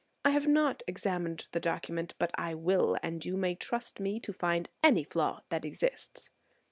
I have not examined the document, but I will; and you may trust me to find any flaw that exists."